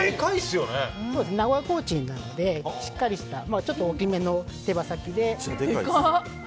名古屋コーチンなのでしっかりした大きめの手羽先で。